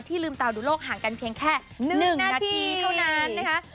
ลืมตาดูโลกห่างกันเพียงแค่๑นาทีเท่านั้นนะคะ